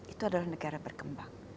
itu adalah negara berkembang